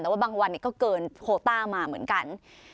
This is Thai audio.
แต่ว่าบางวันก็เกินโคต้ามาเหมือนกัน